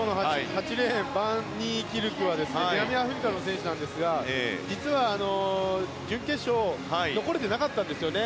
８レーンバン・ニーキルク選手は南アフリカの選手なんですが実は準決勝残れていなかったんですよね。